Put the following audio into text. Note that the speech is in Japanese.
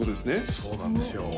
そうなんですよ